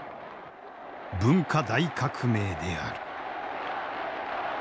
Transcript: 文化大革命である。